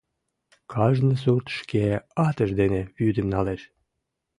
Кажне сурт шке атыж дене вӱдым налеш!